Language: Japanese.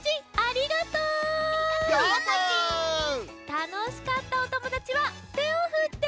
たのしかったおともだちはてをふって。